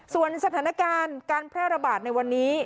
ส่วนสถานการณ์การแพร่ระบาดในวันนี้